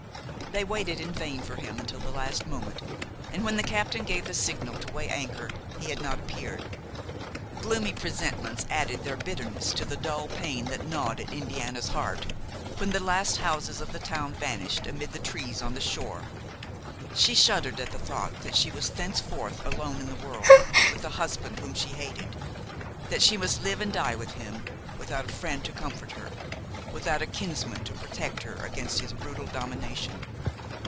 They waited in vain for him until the last moment, and when the captain gave the signal to weigh anchor he had not appeared. Gloomy presentiments added their bitterness to the dull pain that gnawed at Indiana's heart, when the last houses of the town vanished amid the trees on the shore. She shuddered at the thought that she was thenceforth alone in the world with the husband whom she hated! that she must live and die with him, without a friend to comfort her, without a kinsman to protect her against his brutal domination.